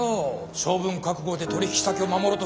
処分覚悟で取引先を守ろうとするなんて。